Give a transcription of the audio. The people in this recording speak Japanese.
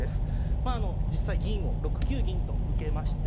実際銀を６九銀と受けまして。